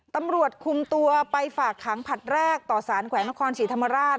ตำรวจคุมตัวไปฝากขังผลัดแรกต่อสารแขวงนครศรีธรรมราช